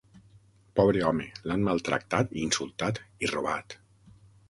Pobre home, l'han maltractat, insultat i robat.